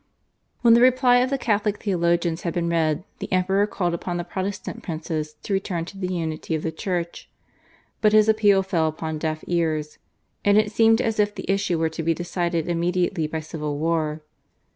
When the reply of the Catholic theologians had been read the Emperor called upon the Protestant princes to return to the unity of the Church; but his appeal fell upon deaf ears, and it seemed as if the issue were to be decided immediately by civil war.